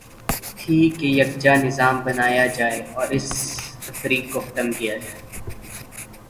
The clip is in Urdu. تھی کہ یکجا نظا م بنایا جائے اور اس تفریق کو ختم کیا جائے۔